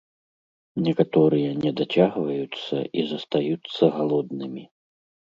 Некаторыя не дацягваюцца і застаюцца галоднымі.